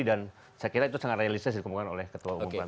dan saya kira itu sangat realistis dikomunikasi oleh ketua umum pernah